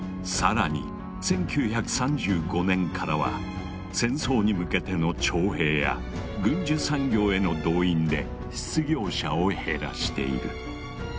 更に１９３５年からは戦争に向けての徴兵や軍需産業への動員で失業者を減らしている。